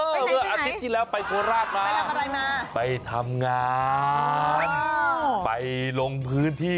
อ๋อไปไหนไปไหนอาทิตย์ที่แล้วไปโกราชมาไปทำงานไปลงพื้นที่